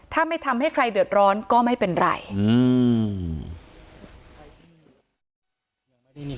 ถ้าไม่ทำให้ใครเดือดร้อนก็ไม่เป็นไรอืม